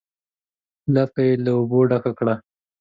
لپه یې له اوبو ډکه کړه.